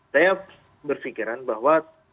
saya berpikiran bahwa